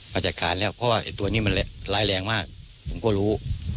เพราะว่าใอตัวนี้มันรายแรงมากผมก็รู้